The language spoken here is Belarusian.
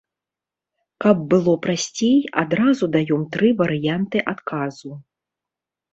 Каб было прасцей, адразу даём тры варыянты адказу.